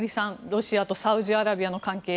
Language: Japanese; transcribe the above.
ロシアとサウジアラビアの関係